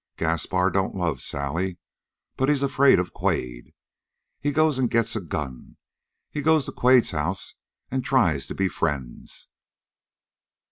Gaspar don't love Sally, but he's afraid of Quade. He goes and gets a gun. He goes to Quade's house and tries to be friends.